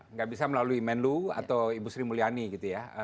nggak bisa melalui menlu atau ibu sri mulyani gitu ya